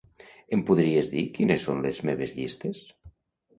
Em podries dir quines són les meves llistes?